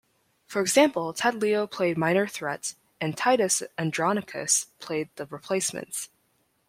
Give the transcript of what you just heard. For example, Ted Leo played Minor Threat and Titus Andronicus played The Replacements.